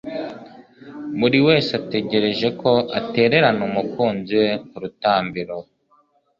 buriwese ategereje ko atererana umukunzi we kurutambiro